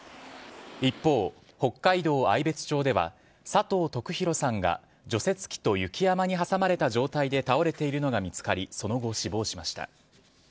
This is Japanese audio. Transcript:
一方、北海道愛別町では佐藤徳広さんが除雪機と雪山に挟まれた状態で倒れているのか見つかりその後、死亡しました。